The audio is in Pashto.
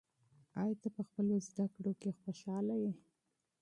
آیا ته په خپلو زده کړو کې خوشحاله یې؟